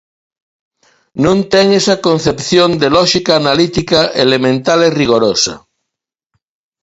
Non ten esa concepción de lóxica analítica elemental e rigorosa.